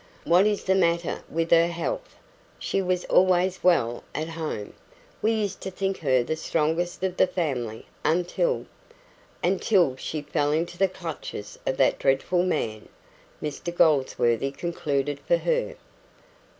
"What is the matter with her health? She was always well at home. We used to think her the strongest of the family until " "Until she fell into the clutches of that dreadful man," Mr Goldsworthy concluded for her.